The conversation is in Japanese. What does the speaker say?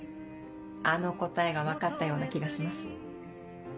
あの答えが分かったような気がします。